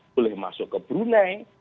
boleh masuk ke brunei